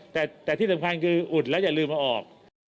แต่ที่สำคัญคืออุดแล้วอย่าลืมเอาออก